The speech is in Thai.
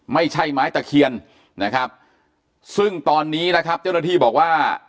ไม่ใช่ไม้ตะเคียนนะครับซึ่งตอนนี้นะครับเจ้าหน้าที่บอกว่า